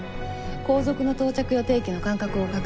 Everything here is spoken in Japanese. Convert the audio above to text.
後続の到着予定機の間隔を確認。